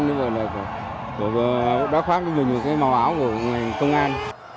rồi đáp pháp đến nhiều nhiều cái màu áo của công an